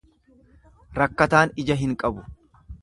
Rakkataan ija hin qabu.